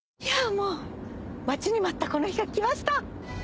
もう待ちに待ったこの日が来ました！